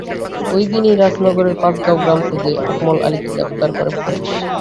ওই দিনই রাজনগরের পাঁচগাঁও গ্রাম থেকে আকমল আলীকে গ্রেপ্তার করে পুলিশ।